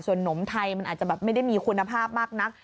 ส่วนนมไทยมันอาจจะแบบไม่ได้มีคุณภาพมากนัก